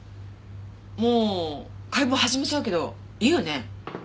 もう解剖始めちゃうけどいいよね？